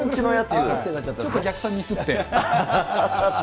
ちょっと逆算ミスって。